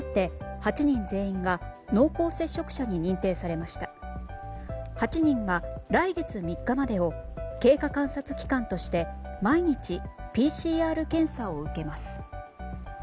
８人が来月３日までを経過観察期間として毎日ＰＣＲ検査を受けます。